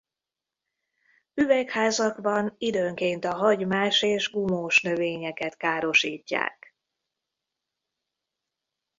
Üvegházakban időnként a hagymás és gumós növényeket károsítják.